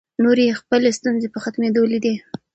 نورې یې خپلې ستونزې په ختمېدو لیدې.